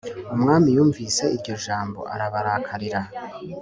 Umwami yumvise iryo jambo arabarakarira